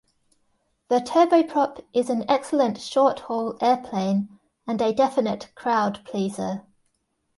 The turboprop is an excellent shorthaul airplane and a definite crowd pleaser.